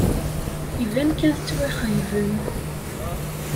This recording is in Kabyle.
Iban kan tettwaxeyybem.